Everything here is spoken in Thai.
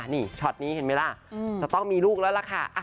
นี่ช็อตนี้เห็นไหมล่ะจะต้องมีลูกแล้วล่ะค่ะ